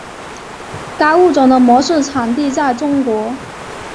该物种的模式产地在中国。